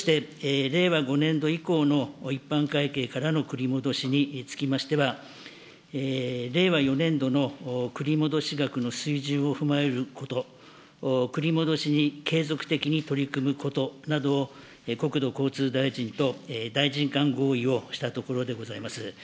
そして、令和５年度以降の一般会計からの繰り戻しにつきましては、令和４年度の繰り戻し額の水準を踏まえること、繰り戻しに継続的に取り組むことなどを、国土交通大臣と大臣間合意をしたところでございます。